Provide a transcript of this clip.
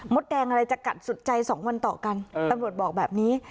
แดงอะไรจะกัดสุดใจ๒วันต่อกันตำรวจบอกแบบนี้